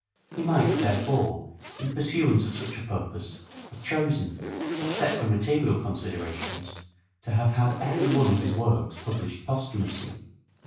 He might, therefore, in pursuance of such a purpose have chosen, except for material considerations, to have had every one of his works published post humously.